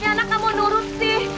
ini anaknya mau nurut sih